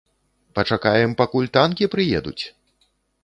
Пачакаем пакуль танкі прыедуць???